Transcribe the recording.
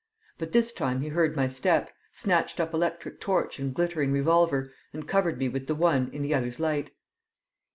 But this time he heard my step, snatched up electric torch and glittering revolver, and covered me with the one in the other's light.